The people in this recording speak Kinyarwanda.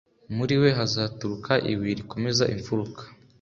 muri we hazaturuka ibuye rikomeza imfuruka